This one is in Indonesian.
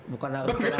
bukan harus sholat